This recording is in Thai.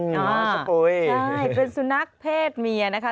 อ๋อชับปุ๋ยใช่เป็นสุนัขเพศเมียนะคะ